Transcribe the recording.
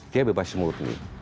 dia bebas murni